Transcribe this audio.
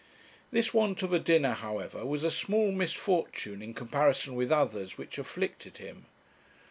This want of a dinner, however, was a small misfortune in comparison with others which afflicted him.